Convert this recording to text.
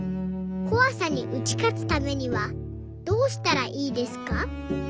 こわさに打ち勝つためにはどうしたらいいですか？」。